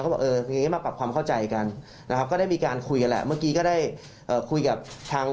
ก็เลยคุยกันแล้วก็เริ่มบอกกัน